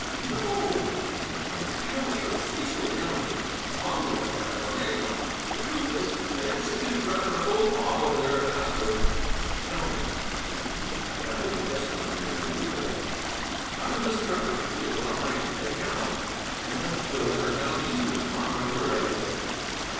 "No," he replied, "amateur, beastly amateur. A bungle, if I ever made one. The truth is, I executed rather a faux pas over there at Asquith. Tell me," said he, diving desperately at the root of it, "how does Miss Trevor feel about my getting out? I meant to let her down easier; 'pon my word, I did."